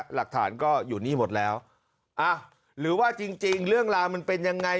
หลักฐานก็อยู่นี่หมดแล้วอ่ะหรือว่าจริงจริงเรื่องราวมันเป็นยังไง